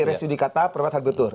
residu dikata perwakilan betul